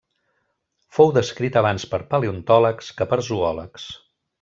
Fou descrit abans per paleontòlegs que per zoòlegs.